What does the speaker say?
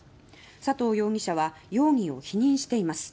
佐藤容疑者は容疑を否認しています。